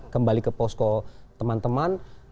kembali ke posko teman teman